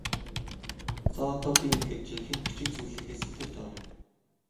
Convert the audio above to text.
За одоо би ингээд жинхэнэ бичих зүйлийнхээ сэдэвт оръё.